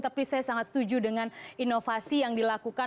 tapi saya sangat setuju dengan inovasi yang dilakukan